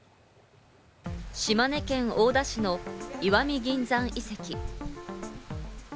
島根県大田市の石見銀山遺跡。